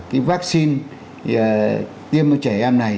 cái vaccine tiêm cho trẻ em này